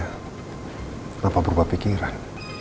kenapa berubah pikiran